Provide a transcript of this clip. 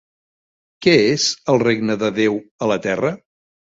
Què és el regne de Déu a la terra?